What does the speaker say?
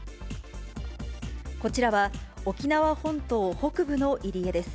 こちらは沖縄本島北部の入江です。